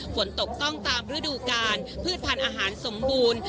ฝนตกต้องตามฤดูกาลเพื่อผ่านอาหารสมบูรณ์